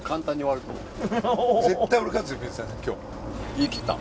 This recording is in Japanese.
言いきった。